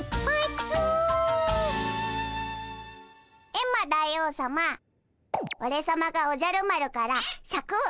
エンマ大王さまオレさまがおじゃる丸からシャクを取り返してやるぞ！